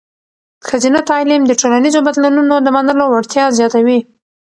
ښځینه تعلیم د ټولنیزو بدلونونو د منلو وړتیا زیاتوي.